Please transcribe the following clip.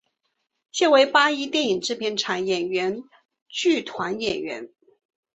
现为八一电影制片厂演员剧团演员。